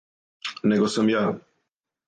Него сам ја.